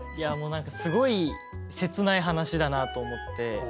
何かすごい切ない話だなと思って。